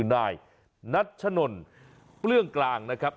นายนัชนนเปื้องกลางนะครับ